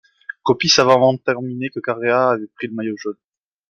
Coppi savait avant de terminer que Carrea avait pris le maillot jaune.